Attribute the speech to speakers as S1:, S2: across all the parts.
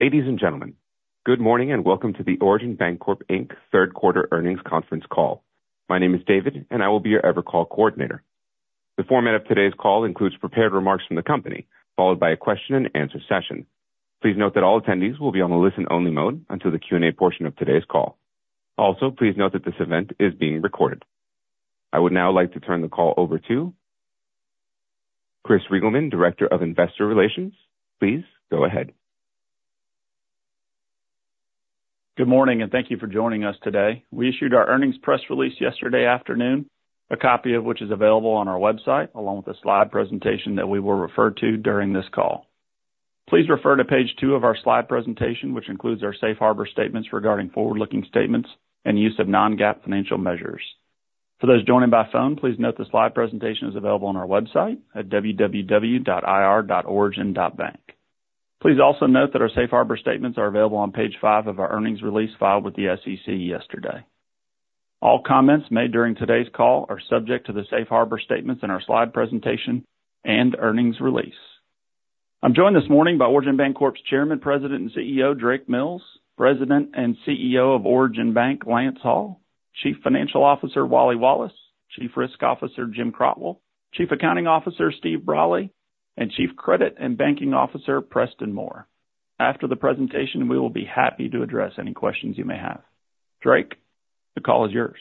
S1: Ladies and gentlemen, good morning, and welcome to the Origin Bancorp Inc. Third Quarter Earnings Conference Call. My name is David, and I will be your EverCall coordinator. The format of today's call includes prepared remarks from the company, followed by a question-and-answer session. Please note that all attendees will be on a listen-only mode until the Q&A portion of today's call. Also, please note that this event is being recorded. I would now like to turn the call over to Chris Reigelman, Director of Investor Relations. Please go ahead.
S2: Good morning, and thank you for joining us today. We issued our earnings press release yesterday afternoon, a copy of which is available on our website, along with a slide presentation that we will refer to during this call. Please refer to page two of our slide presentation, which includes our safe harbor statements regarding forward-looking statements and use of non-GAAP financial measures. For those joining by phone, please note the slide presentation is available on our website at www.ir.origin.bank. Please also note that our safe harbor statements are available on page five of our earnings release filed with the SEC yesterday. All comments made during today's call are subject to the safe harbor statements in our slide presentation and earnings release. I'm joined this morning by Origin Bancorp's Chairman, President and CEO, Drake Mills, President and CEO of Origin Bank, Lance Hall, Chief Financial Officer, Wally Wallace, Chief Risk Officer, Jim Crotwell, Chief Accounting Officer, Steve Brawley, and Chief Credit and Banking Officer, Preston Moore. After the presentation, we will be happy to address any questions you may have. Drake, the call is yours.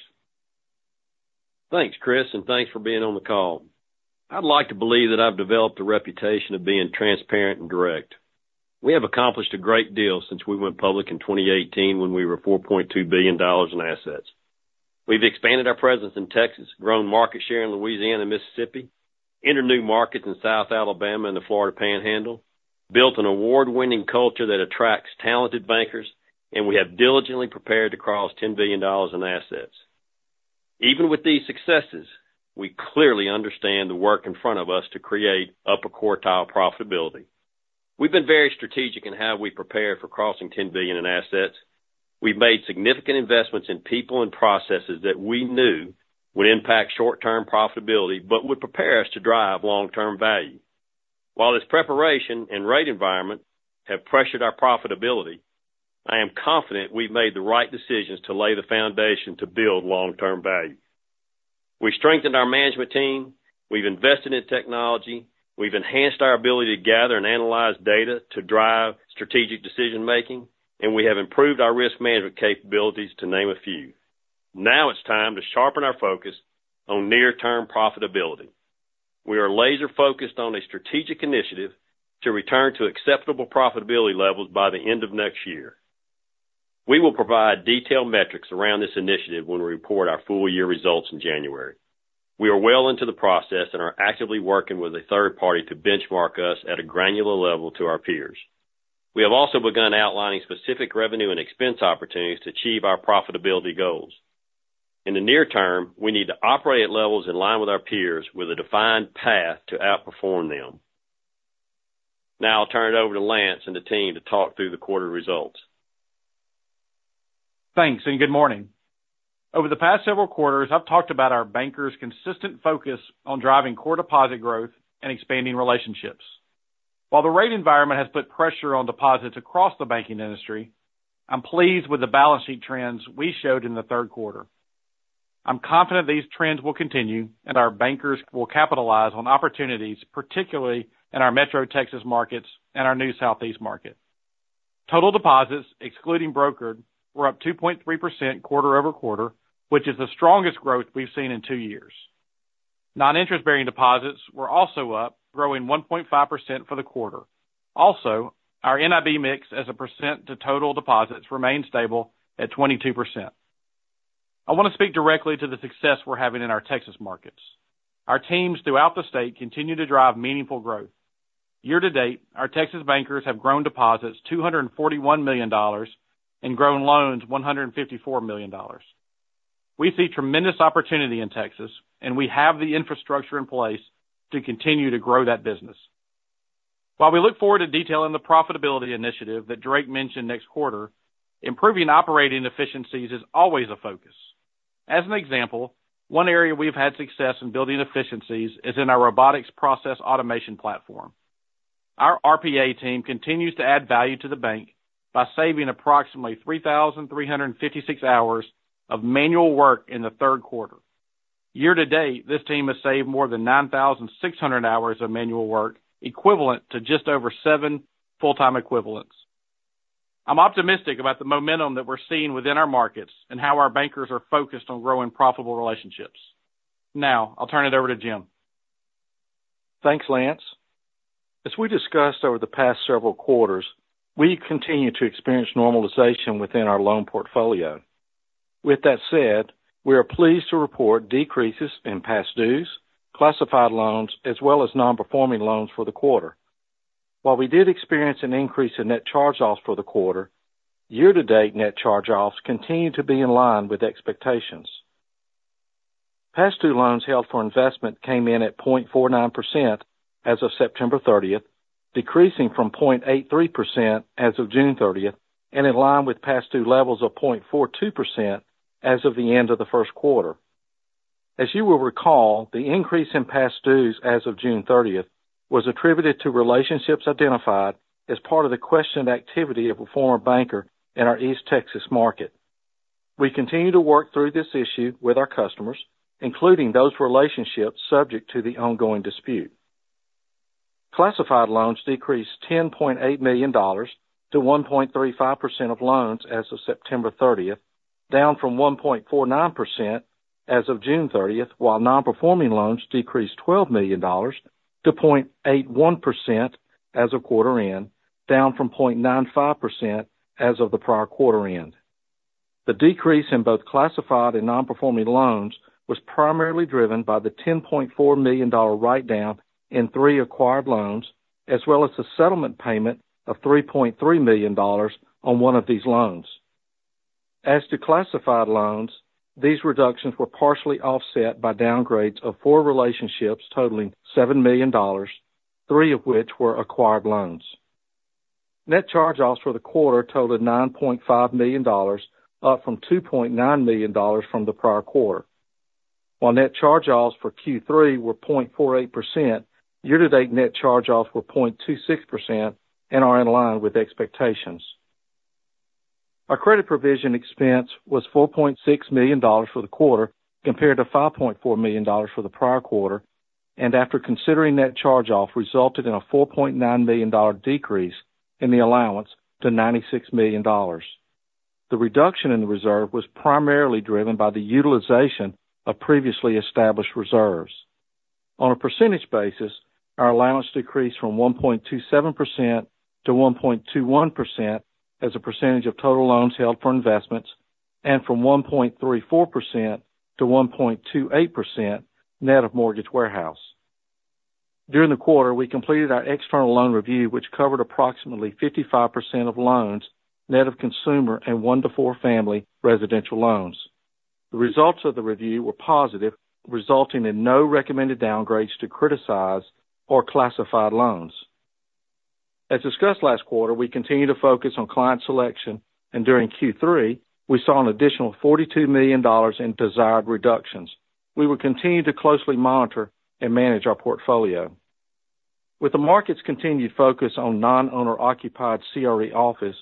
S3: Thanks, Chris, and thanks for being on the call. I'd like to believe that I've developed a reputation of being transparent and direct. We have accomplished a great deal since we went public in 2018, when we were $4.2 billion in assets. We've expanded our presence in Texas, grown market share in Louisiana and Mississippi, entered new markets in South Alabama and the Florida Panhandle, built an award-winning culture that attracts talented bankers, and we have diligently prepared to cross $10 billion in assets. Even with these successes, we clearly understand the work in front of us to create upper quartile profitability. We've been very strategic in how we prepare for crossing $10 billion in assets. We've made significant investments in people and processes that we knew would impact short-term profitability, but would prepare us to drive long-term value. While this preparation and rate environment have pressured our profitability, I am confident we've made the right decisions to lay the foundation to build long-term value. We've strengthened our management team, we've invested in technology, we've enhanced our ability to gather and analyze data to drive strategic decision-making, and we have improved our risk management capabilities, to name a few. Now it's time to sharpen our focus on near-term profitability. We are laser-focused on a strategic initiative to return to acceptable profitability levels by the end of next year. We will provide detailed metrics around this initiative when we report our full year results in January. We are well into the process and are actively working with a third party to benchmark us at a granular level to our peers. We have also begun outlining specific revenue and expense opportunities to achieve our profitability goals. In the near term, we need to operate at levels in line with our peers with a defined path to outperform them. Now I'll turn it over to Lance and the team to talk through the quarter results.
S4: Thanks, and good morning. Over the past several quarters, I've talked about our bankers' consistent focus on driving core deposit growth and expanding relationships. While the rate environment has put pressure on deposits across the banking industry, I'm pleased with the balance sheet trends we showed in the third quarter. I'm confident these trends will continue and our bankers will capitalize on opportunities, particularly in our metro Texas markets and our new Southeast market. Total deposits, excluding brokered, were up 2.3% quarter over quarter, which is the strongest growth we've seen in two years. Non-interest-bearing deposits were also up, growing 1.5% for the quarter. Also, our NIB mix as a percent to total deposits remained stable at 22%. I want to speak directly to the success we're having in our Texas markets. Our teams throughout the state continue to drive meaningful growth. Year to date, our Texas bankers have grown deposits $241 million and grown loans $154 million. We see tremendous opportunity in Texas, and we have the infrastructure in place to continue to grow that business. While we look forward to detailing the profitability initiative that Drake mentioned next quarter, improving operating efficiencies is always a focus. As an example, one area we've had success in building efficiencies is in our Robotic Process Automation platform. Our RPA team continues to add value to the bank by saving approximately 3,356 hours of manual work in the third quarter. Year to date, this team has saved more than 9,600 hours of manual work, equivalent to just over 7 full-time equivalents. I'm optimistic about the momentum that we're seeing within our markets and how our bankers are focused on growing profitable relationships. Now, I'll turn it over to Jim.
S5: Thanks, Lance. As we discussed over the past several quarters, we continue to experience normalization within our loan portfolio. With that said, we are pleased to report decreases in past dues, classified loans, as well as non-performing loans for the quarter. While we did experience an increase in net charge-offs for the quarter, year to date, net charge-offs continue to be in line with expectations. Past due loans held for investment came in at 0.49% as of September 30th, decreasing from 0.83% as of June 30th, and in line with past due levels of 0.42% as of the end of the first quarter. As you will recall, the increase in past dues as of June 30th was attributed to relationships identified as part of the questioned activity of a former banker in our East Texas market. We continue to work through this issue with our customers, including those relationships subject to the ongoing dispute. Classified loans decreased $10.8 million to 1.35% of loans as of September 30th, down from 1.49% as of June 30th, while non-performing loans decreased $12 million to 0.81% as of quarter end, down from 0.95% as of the prior quarter end. The decrease in both classified and non-performing loans was primarily driven by the $10.4 million write-down in three acquired loans, as well as the settlement payment of $3.3 million on one of these loans. As to classified loans, these reductions were partially offset by downgrades of four relationships totaling $7 million, three of which were acquired loans. Net charge-offs for the quarter totaled $9.5 million, up from $2.9 million from the prior quarter. While net charge-offs for Q3 were 0.48%, year-to-date net charge-offs were 0.26% and are in line with expectations. Our credit provision expense was $4.6 million for the quarter, compared to $5.4 million for the prior quarter, and after considering net charge-off, resulted in a $4.9 million decrease in the allowance to $96 million. The reduction in the reserve was primarily driven by the utilization of previously established reserves. On a percentage basis, our allowance decreased from 1.27% to 1.21% as a percentage of total loans held for investments, and from 1.34% to 1.28% net of mortgage warehouse. During the quarter, we completed our external loan review, which covered approximately 55% of loans, net of consumer and one to four family residential loans. The results of the review were positive, resulting in no recommended downgrades to criticize or classified loans. As discussed last quarter, we continue to focus on client selection, and during Q3, we saw an additional $42 million in desired reductions. We will continue to closely monitor and manage our portfolio. With the market's continued focus on non-owner occupied CRE office,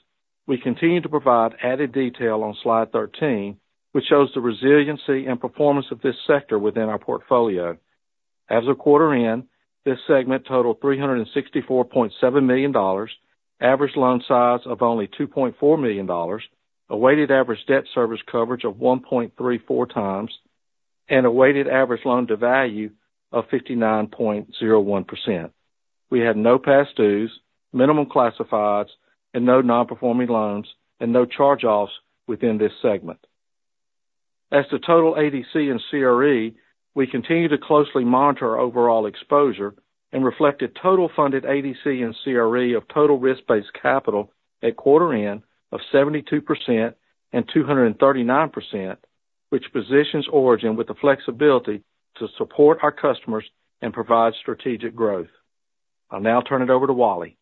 S5: we continue to provide added detail on slide 13, which shows the resiliency and performance of this sector within our portfolio. As of quarter end, this segment totaled $364.7 million, average loan size of only $2.4 million, a weighted average debt service coverage of 1.34x and a weighted average loan to value of 59.01%. We had no past dues, minimum classifieds, and no non-performing loans, and no charge-offs within this segment. As to total ADC and CRE, we continue to closely monitor our overall exposure and reflect a total funded ADC and CRE of total risk-based capital at quarter end of 72% and 239%, which positions Origin with the flexibility to support our customers and provide strategic growth. I'll now turn it over to Wally.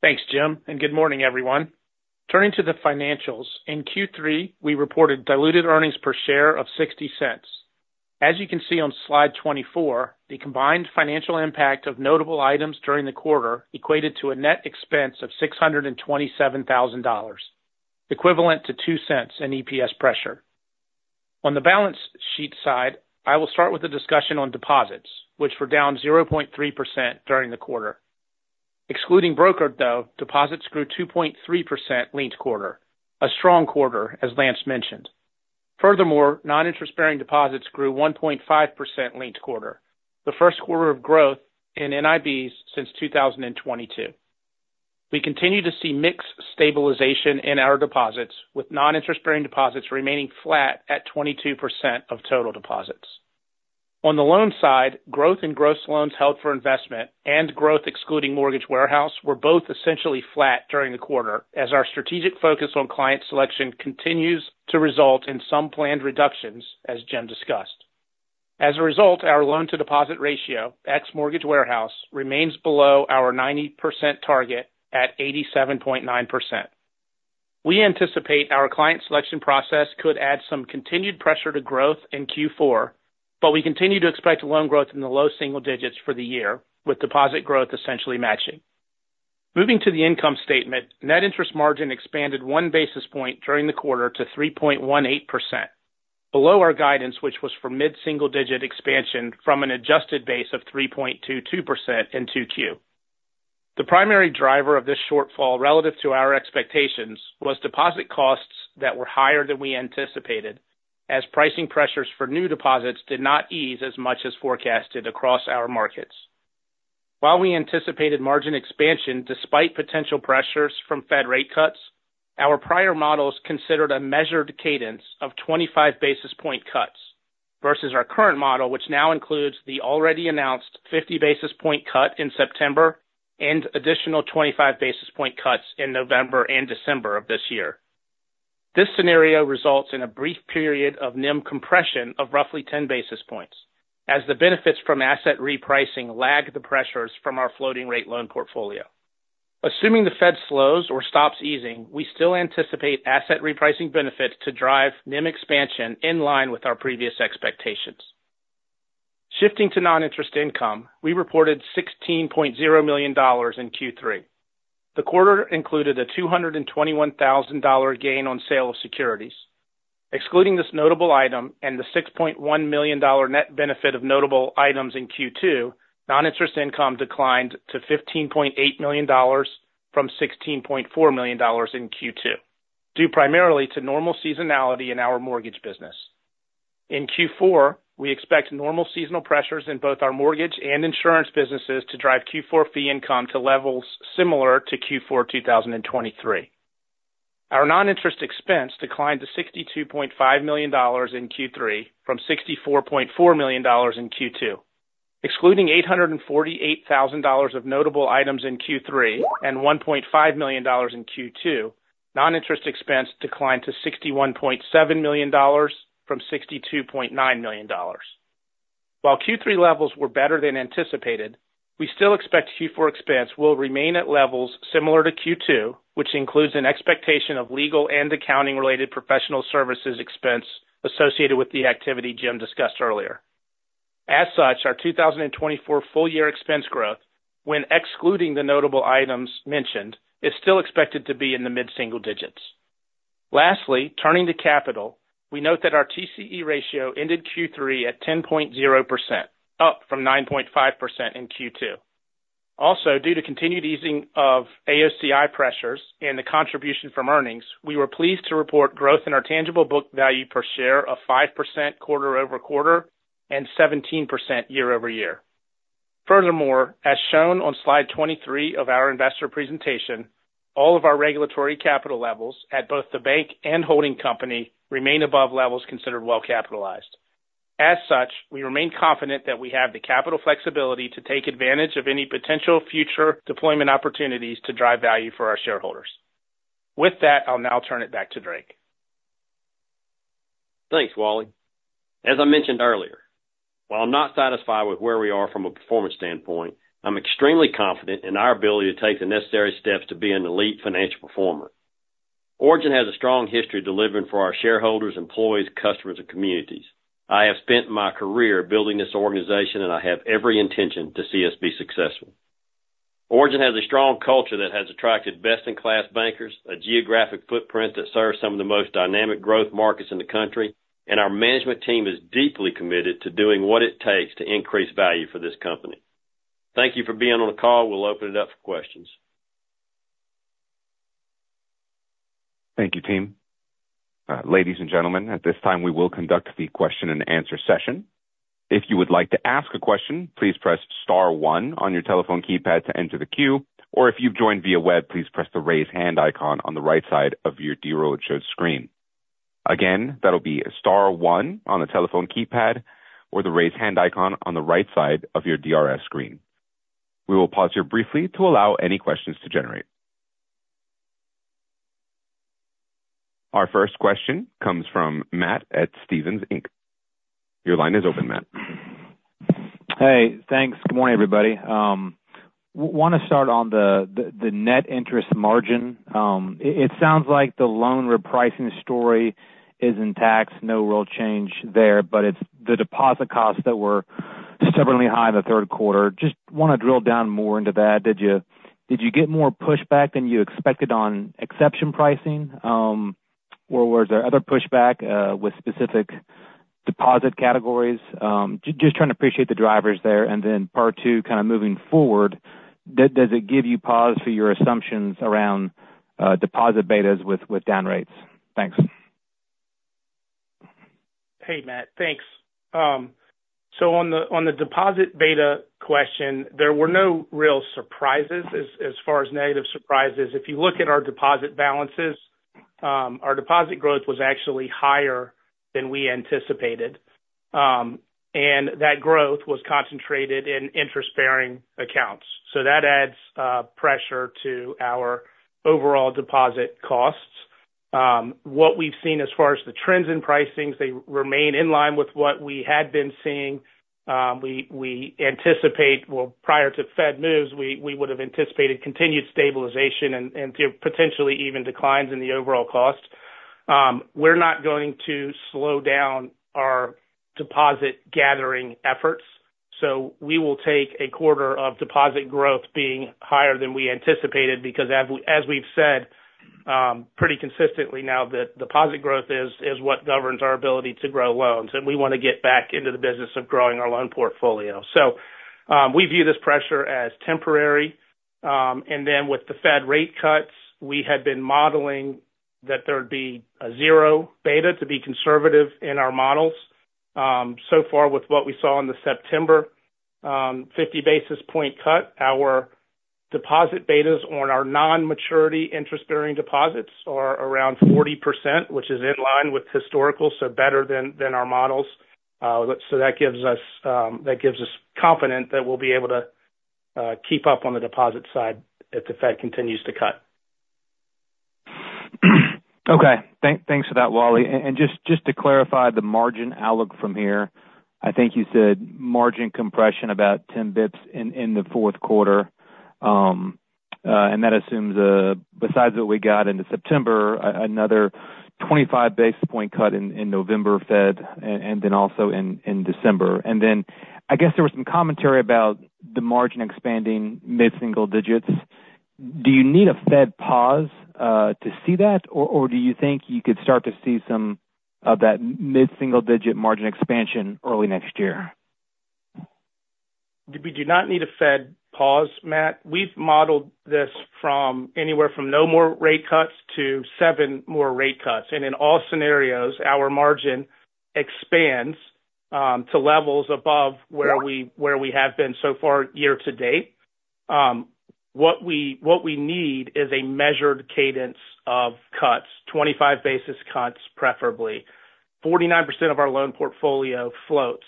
S6: Thanks, Jim, and good morning, everyone. Turning to the financials, in Q3, we reported diluted earnings per share of $0.60. As you can see on slide 24, the combined financial impact of notable items during the quarter equated to a net expense of $627,000, equivalent to $0.02 in EPS pressure. On the balance sheet side, I will start with a discussion on deposits, which were down 0.3% during the quarter. Excluding brokered, though, deposits grew 2.3% linked quarter, a strong quarter, as Lance mentioned. Furthermore, non-interest-bearing deposits grew 1.5% linked quarter, the first quarter of growth in NIBs since 2022. We continue to see mixed stabilization in our deposits, with non-interest-bearing deposits remaining flat at 22% of total deposits. On the loan side, growth in gross loans held for investment and growth excluding mortgage warehouse were both essentially flat during the quarter, as our strategic focus on client selection continues to result in some planned reductions, as Jim discussed. As a result, our loan-to-deposit ratio, ex mortgage warehouse, remains below our 90% target at 87.9%. We anticipate our client selection process could add some continued pressure to growth in Q4, but we continue to expect loan growth in the low single digits for the year, with deposit growth essentially matching. Moving to the income statement, net interest margin expanded one basis point during the quarter to 3.18%, below our guidance, which was for mid-single digit expansion from an adjusted base of 3.22% in Q2. The primary driver of this shortfall relative to our expectations, was deposit costs that were higher than we anticipated, as pricing pressures for new deposits did not ease as much as forecasted across our markets. While we anticipated margin expansion despite potential pressures from Fed rate cuts, our prior models considered a measured cadence of 25 basis point cuts, versus our current model, which now includes the already announced 50 basis point cut in September and additional 25 basis point cuts in November and December of this year. This scenario results in a brief period of NIM compression of roughly 10 basis points, as the benefits from asset repricing lag the pressures from our floating rate loan portfolio. Assuming the Fed slows or stops easing, we still anticipate asset repricing benefits to drive NIM expansion in line with our previous expectations. Shifting to non-interest income, we reported $16.0 million in Q3. The quarter included a $221,000 gain on sale of securities. Excluding this notable item and the $6.1 million net benefit of notable items in Q2, non-interest income declined to $15.8 million from $16.4 million in Q2, due primarily to normal seasonality in our mortgage business. In Q4, we expect normal seasonal pressures in both our mortgage and insurance businesses to drive Q4 fee income to levels similar to Q4 2023. Our non-interest expense declined to $62.5 million in Q3 from $64.4 million in Q2. Excluding $848,000 of notable items in Q3 and $1.5 million in Q2, non-interest expense declined to $61.7 million from $62.9 million. While Q3 levels were better than anticipated, we still expect Q4 expense will remain at levels similar to Q2, which includes an expectation of legal and accounting-related professional services expense associated with the activity Jim discussed earlier. As such, our 2024 full year expense growth, when excluding the notable items mentioned, is still expected to be in the mid-single digits. Lastly, turning to capital, we note that our TCE ratio ended Q3 at 10.0%, up from 9.5% in Q2. Also, due to continued easing of AOCI pressures and the contribution from earnings, we were pleased to report growth in our tangible book value per share of 5% quarter over quarter and 17% year over year. Furthermore, as shown on slide 23 of our investor presentation, all of our regulatory capital levels at both the bank and holding company remain above levels considered well capitalized. As such, we remain confident that we have the capital flexibility to take advantage of any potential future deployment opportunities to drive value for our shareholders. With that, I'll now turn it back to Drake.
S3: Thanks, Wally. As I mentioned earlier, while I'm not satisfied with where we are from a performance standpoint, I'm extremely confident in our ability to take the necessary steps to be an elite financial performer. Origin has a strong history of delivering for our shareholders, employees, customers, and communities. I have spent my career building this organization, and I have every intention to see us be successful. Origin has a strong culture that has attracted best-in-class bankers, a geographic footprint that serves some of the most dynamic growth markets in the country, and our management team is deeply committed to doing what it takes to increase value for this company. Thank you for being on the call. We'll open it up for questions.
S1: Thank you, team. Ladies and gentlemen, at this time, we will conduct the question-and-answer session. If you would like to ask a question, please press star one on your telephone keypad to enter the queue, or if you've joined via web, please press the Raise Hand icon on the right side of your Deal Roadshow's screen. Again, that'll be star one on the telephone keypad or the Raise Hand icon on the right side of your DRS screen. We will pause here briefly to allow any questions to generate. Our first question comes from Matt at Stephens Inc. Your line is open, Matt.
S7: Hey, thanks. Good morning, everybody. Wanna start on the net interest margin. It sounds like the loan repricing story is intact, no real change there, but it's the deposit costs that were stubbornly high in the third quarter. Just wanna drill down more into that. Did you get more pushback than you expected on exception pricing? Or was there other pushback with specific deposit categories? Just trying to appreciate the drivers there. And then part two, kind of moving forward, does it give you pause for your assumptions around deposit betas with down rates? Thanks.
S6: Hey, Matt, thanks. So on the deposit beta question, there were no real surprises as far as negative surprises. If you look at our deposit balances, our deposit growth was actually higher than we anticipated, and that growth was concentrated in interest-bearing accounts. So that adds pressure to our overall deposit costs. What we've seen as far as the trends in pricing, they remain in line with what we had been seeing. We anticipate. Well, prior to Fed moves, we would have anticipated continued stabilization and potentially even declines in the overall cost. We're not going to slow down our deposit gathering efforts, so we will take a quarter of deposit growth being higher than we anticipated, because as we, as we've said, pretty consistently now, that deposit growth is what governs our ability to grow loans, and we want to get back into the business of growing our loan portfolio. So, we view this pressure as temporary. And then with the Fed rate cuts, we had been modeling that there would be a zero beta to be conservative in our models. So far, with what we saw in the September 50 basis point cut, our deposit betas on our non-maturity interest-bearing deposits are around 40%, which is in line with historical, so better than our models. So that gives us confidence that we'll be able to keep up on the deposit side if the Fed continues to cut....
S7: Okay. Thanks for that, Wally. And just to clarify the margin outlook from here, I think you said margin compression about 10 basis points in the fourth quarter. And that assumes, besides what we got into September, another 25 basis point cut in November Fed and then also in December. And then I guess there was some commentary about the margin expanding mid-single digits. Do you need a Fed pause to see that? Or do you think you could start to see some of that mid-single digit margin expansion early next year?
S6: We do not need a Fed pause, Matt. We've modeled this from anywhere from no more rate cuts to seven more rate cuts, and in all scenarios, our margin expands to levels above where we-
S7: Yeah...
S6: where we have been so far year to date. What we need is a measured cadence of cuts, 25 basis point cuts, preferably. 49% of our loan portfolio floats.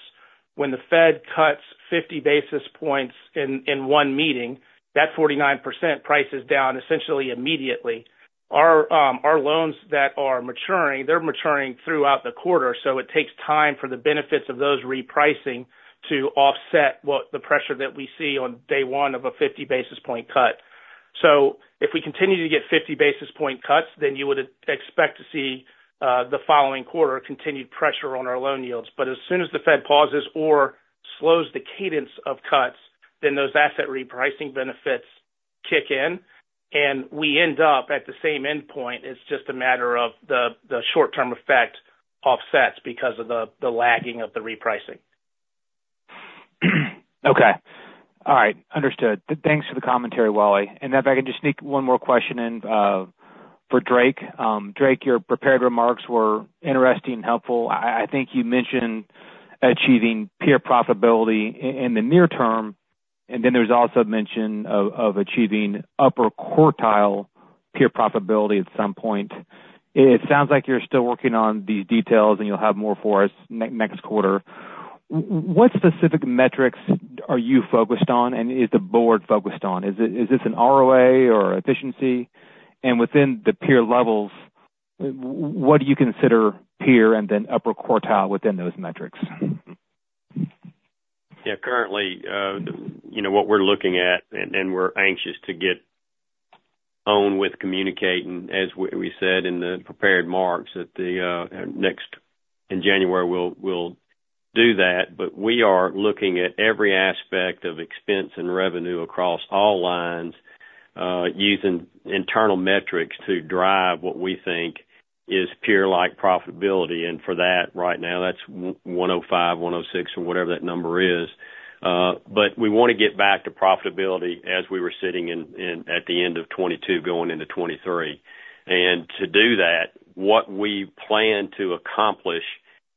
S6: When the Fed cuts 50 basis points in one meeting, that 49% prices down essentially immediately. Our loans that are maturing, they're maturing throughout the quarter, so it takes time for the benefits of those repricing to offset what the pressure that we see on day one of a 50 basis point cut. So if we continue to get 50 basis point cuts, then you would expect to see the following quarter, continued pressure on our loan yields. But as soon as the Fed pauses or slows the cadence of cuts, then those asset repricing benefits kick in, and we end up at the same endpoint. It's just a matter of the short-term effect offsets because of the lagging of the repricing.
S7: Okay. All right. Understood. Thanks for the commentary, Wally. And if I can just sneak one more question in, for Drake. Drake, your prepared remarks were interesting and helpful. I think you mentioned achieving peer profitability in the near term, and then there's also mention of achieving upper quartile peer profitability at some point. It sounds like you're still working on the details, and you'll have more for us next quarter. What specific metrics are you focused on and is the board focused on? Is it this an ROA or efficiency? And within the peer levels, what do you consider peer and then upper quartile within those metrics?
S3: Yeah, currently, you know, what we're looking at, and we're anxious to get on with communicating, as we said in the prepared remarks, that the next. In January, we'll do that. But we are looking at every aspect of expense and revenue across all lines, using internal metrics to drive what we think is peer-like profitability. And for that, right now, that's 105, 106 or whatever that number is. But we want to get back to profitability as we were sitting in at the end of 2022, going into 2023. And to do that, what we plan to accomplish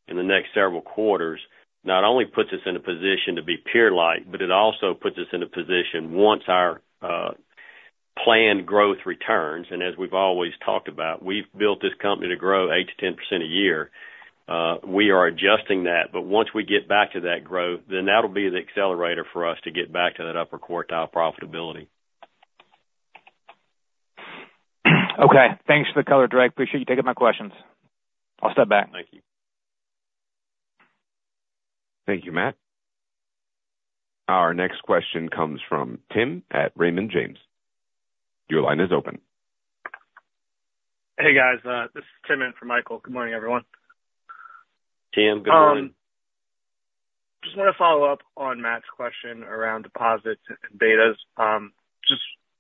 S3: in the next several quarters, not only puts us in a position to be peer-like, but it also puts us in a position, once our planned growth returns, and as we've always talked about, we've built this company to grow 8%-10% a year. We are adjusting that, but once we get back to that growth, then that'll be the accelerator for us to get back to that upper quartile profitability.
S7: Okay, thanks for the color, Drake. Appreciate you taking my questions. I'll step back.
S3: Thank you.
S1: Thank you, Matt. Our next question comes from Tim at Raymond James. Your line is open.
S8: Hey, guys, this is Tim in for Michael. Good morning, everyone.
S3: Tim, good morning.
S8: Just want to follow up on Matt's question around deposits and betas. Just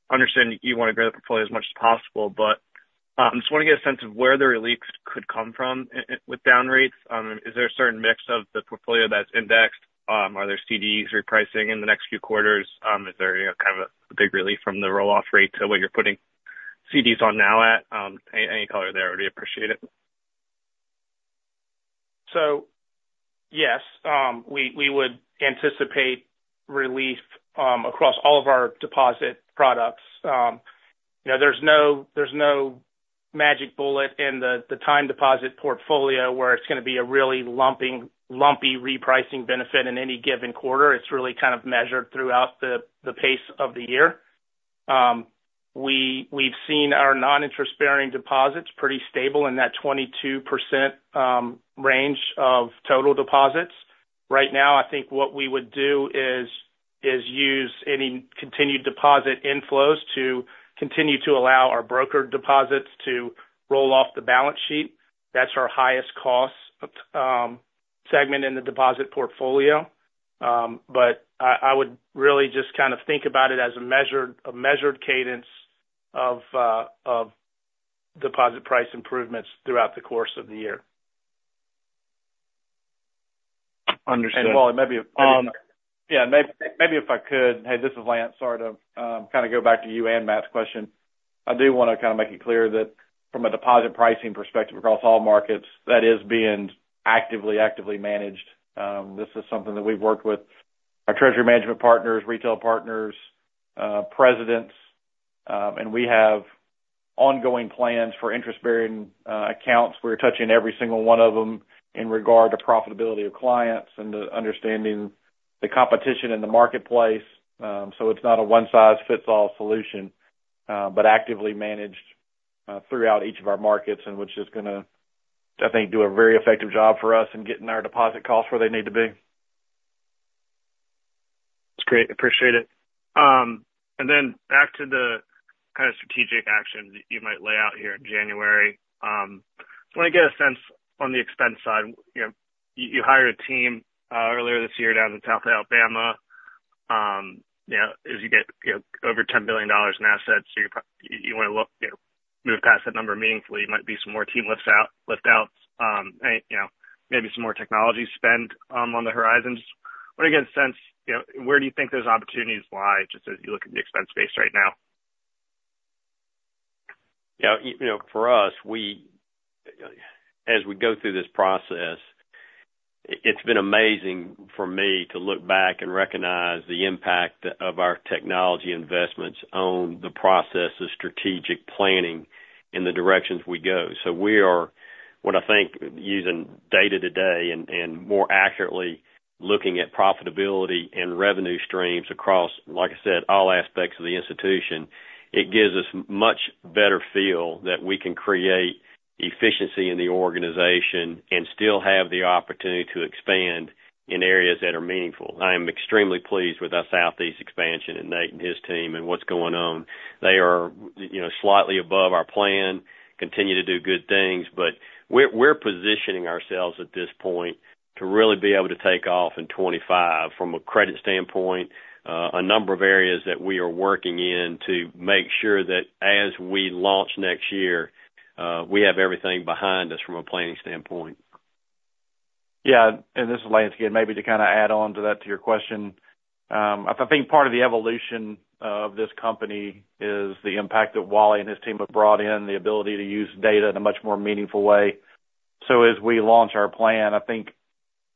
S8: understand you want to grow the portfolio as much as possible, but, just want to get a sense of where the relief could come from with down rates. Is there a certain mix of the portfolio that's indexed? Are there CDs repricing in the next few quarters? Is there, you know, kind of a big relief from the roll-off rate to what you're putting CDs on now at? Any color there would be appreciated.
S6: So yes, we would anticipate relief across all of our deposit products. You know, there's no magic bullet in the time deposit portfolio, where it's going to be a really lumpy repricing benefit in any given quarter. It's really kind of measured throughout the pace of the year. We've seen our noninterest-bearing deposits pretty stable in that 22% range of total deposits. Right now, I think what we would do is use any continued deposit inflows to continue to allow our brokered deposits to roll off the balance sheet. That's our highest cost segment in the deposit portfolio. But I would really just kind of think about it as a measured cadence of deposit price improvements throughout the course of the year.
S8: Understood.
S4: And Wally, maybe, Yeah, maybe if I could. Hey, this is Lance. Sorry to kind of go back to you and Matt's question. I do want to kind of make it clear that from a deposit pricing perspective across all markets, that is being actively managed. This is something that we've worked with our treasury management partners, retail partners, presidents, and we have ongoing plans for interest-bearing accounts. We're touching every single one of them in regard to profitability of clients and understanding the competition in the marketplace. So it's not a one-size-fits-all solution, but actively managed throughout each of our markets, and which is gonna, I think, do a very effective job for us in getting our deposit costs where they need to be.
S8: That's great, appreciate it. And then back to the kind of strategic actions that you might lay out here in January. Just want to get a sense on the expense side, you know, you hired a team earlier this year down in South Alabama. You know, as you get, you know, over $10 billion in assets, so you want to look, you know, move past that number meaningfully, might be some more team liftouts, and, you know, maybe some more technology spend on the horizon. Just want to get a sense, you know, where do you think those opportunities lie, just as you look at the expense base right now?
S3: Yeah, you know, for us, we, as we go through this process, it's been amazing for me to look back and recognize the impact of our technology investments on the process of strategic planning in the directions we go. So we are, what I think, using data today and more accurately, looking at profitability and revenue streams across, like I said, all aspects of the institution. It gives us much better feel that we can create efficiency in the organization and still have the opportunity to expand in areas that are meaningful. I am extremely pleased with our Southeast expansion and Nate and his team and what's going on. They are, you know, slightly above our plan, continue to do good things, but we're positioning ourselves at this point to really be able to take off in 2025 from a credit standpoint. A number of areas that we are working in to make sure that as we launch next year, we have everything behind us from a planning standpoint.
S4: Yeah, and this is Lance again, maybe to kind of add on to that, to your question. I think part of the evolution of this company is the impact that Wally and his team have brought in, the ability to use data in a much more meaningful way. So as we launch our plan, I think,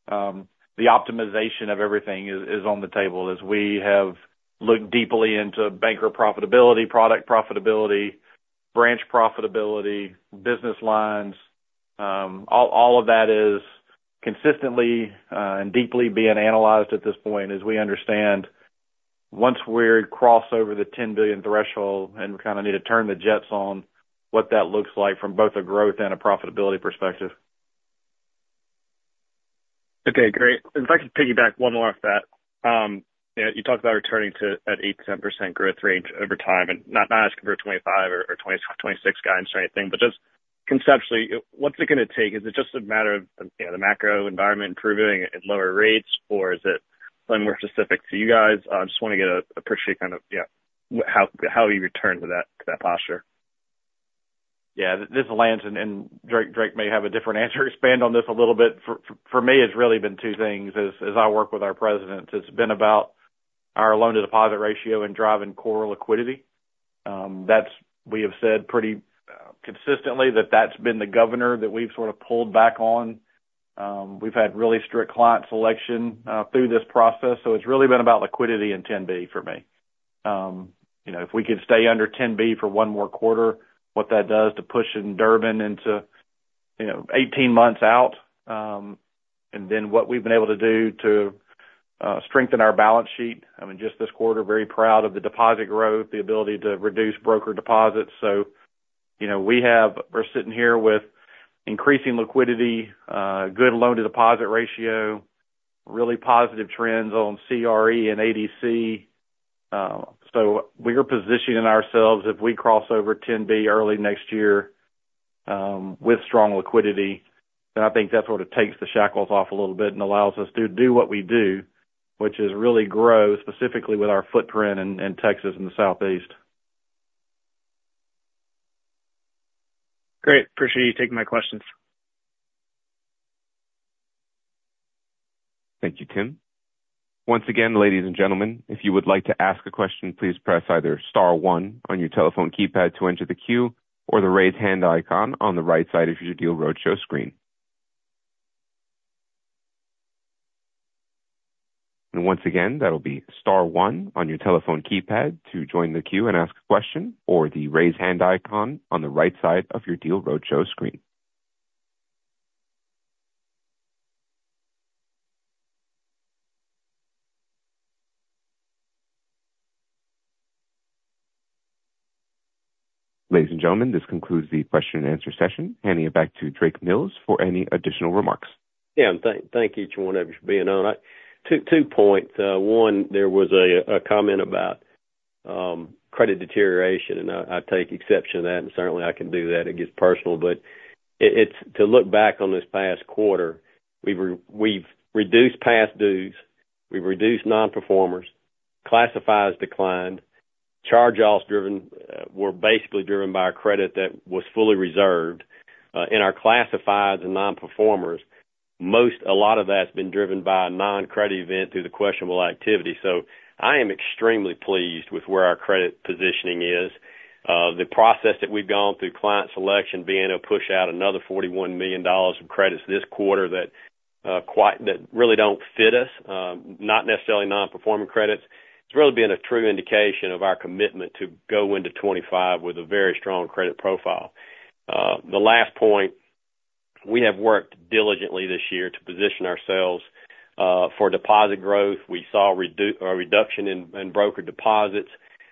S4: the optimization of everything is on the table. As we have looked deeply into banker profitability, product profitability, branch profitability, business lines, all of that is consistently and deeply being analyzed at this point, as we understand, once we're cross over the $10 billion threshold and kind of need to turn the jets on, what that looks like from both a growth and a profitability perspective.
S8: Okay, great. If I could piggyback one more off that. You know, you talked about returning to that eight to 10% growth range over time, and not asking for 25% or 26% guidance or anything, but just conceptually, what's it gonna take? Is it just a matter of, you know, the macro environment improving at lower rates, or is it something more specific to you guys? I just want to get a appreciate kind of, yeah, how, how you return to that, to that posture.
S4: Yeah, this is Lance, and Drake may have a different answer to expand on this a little bit. For me, it's really been two things. As I work with our presidents, it's been about our loan-to-deposit ratio and driving core liquidity. That's. We have said pretty consistently that that's been the governor that we've sort of pulled back on. We've had really strict client selection through this process, so it's really been about liquidity and Ten-B for me. You know, if we could stay under Ten-B for one more quarter, what that does to pushing Durbin into, you know, 18 months out, and then what we've been able to do to strengthen our balance sheet. I mean, just this quarter, very proud of the deposit growth, the ability to reduce brokered deposits. So, you know, we have- We're sitting here with increasing liquidity, good loan-to-deposit ratio, really positive trends on CRE and ADC. So we are positioning ourselves, if we cross over $10 billion early next year, with strong liquidity, then I think that's what it takes the shackles off a little bit and allows us to do what we do, which is really grow, specifically with our footprint in Texas and the Southeast.
S8: Great. Appreciate you taking my questions.
S1: Thank you, Tim. Once again, ladies and gentlemen, if you would like to ask a question, please press either star one on your telephone keypad to enter the queue, or the Raise Hand icon on the right side of your Deal Roadshow screen. And once again, that'll be star one on your telephone keypad to join the queue and ask a question, or the Raise Hand icon on the right side of your Deal Roadshow screen. Ladies and gentlemen, this concludes the question and answer session, handing it back to Drake Mills for any additional remarks.
S3: Yeah, and thank each one of you for being on. Two points. One, there was a comment about credit deterioration, and I take exception to that, and certainly I can do that. It gets personal, but it's to look back on this past quarter, we've reduced past dues, we've reduced non-performers, classifieds declined, charge-offs were basically driven by a credit that was fully reserved. And our classifieds and non-performers, a lot of that's been driven by a non-credit event through the questionable activity. So I am extremely pleased with where our credit positioning is. The process that we've gone through, client selection, being able to push out another $41 million in credits this quarter, that really don't fit us, not necessarily non-performing credits. It's really been a true indication of our commitment to go into 2025 with a very strong credit profile. The last point, we have worked diligently this year to position ourselves for deposit growth. We saw reduction in brokered deposits.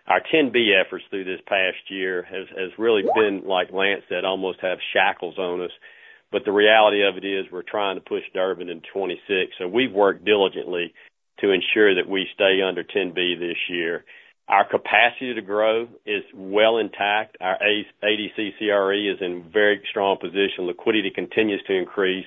S3: Our Ten-B efforts through this past year has really been, like Lance said, almost have shackles on us, but the reality of it is, we're trying to push Durbin in 2026, so we've worked diligently to ensure that we stay under Ten-B this year. Our capacity to grow is well intact. Our ADC CRE is in very strong position. Liquidity continues to increase.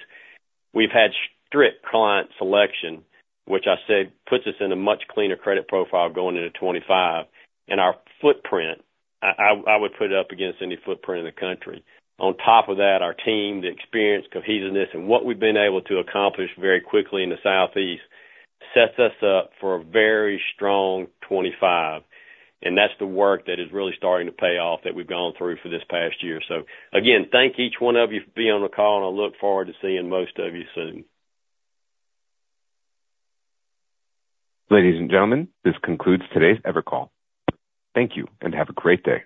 S3: We've had strict client selection, which I said, puts us in a much cleaner credit profile going into 2025, and our footprint, I would put it up against any footprint in the country. On top of that, our team, the experience, cohesiveness, and what we've been able to accomplish very quickly in the Southeast, sets us up for a very strong 2025. And that's the work that is really starting to pay off, that we've gone through for this past year. So again, thank each one of you for being on the call, and I look forward to seeing most of you soon.
S1: Ladies and gentlemen, this concludes today's EverCall. Thank you, and have a great day.